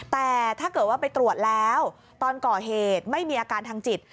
แต่ถ้าเกิดว่าไปตรวจแล้วตอนก่อเหตุไม่มีอาการทางจิต